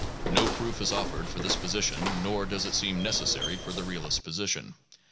No proof is offered for this position, nor does it seem necessary for the realistic position.